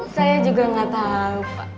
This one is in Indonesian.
saya juga nggak tahu pak